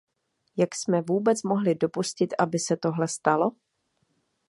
Jak jsme vůbec mohli dopustit, aby se tohle stalo?